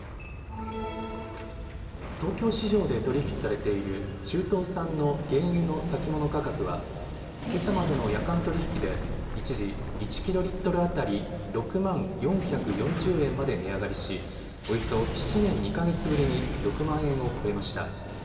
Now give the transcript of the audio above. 東京市場で取り引きされている中東産の原油の先物価格はけさまでの夜間取引で一時１キロリットル当たり６万４４０円まで値上がりしおよそ７年２か月ぶりに６万円を超えました。